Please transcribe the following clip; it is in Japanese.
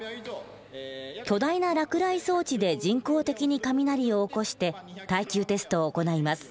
巨大な落雷装置で人工的に雷を起こして耐久テストを行います。